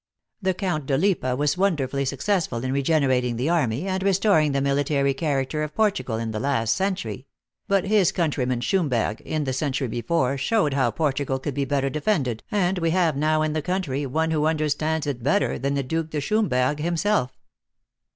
The Count de Lippe was wonderfully successful in regenerating the army, and restoring the military character of Portugal in the last century ; but his countryman, Schomberg, in the century before, showed how Portugal could be better defended, and we have now in the country one w r ho understands it better than the Duke de Schom berg himself."